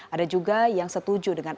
ada juga yang setuju dengan